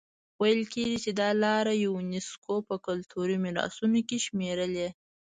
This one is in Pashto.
ویل کېږي چې دا لاره یونیسکو په کلتوري میراثونو کې شمېرلي.